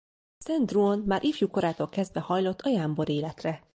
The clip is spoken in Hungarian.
Szent Druon már ifjúkorától kezdve hajlott a jámbor életre.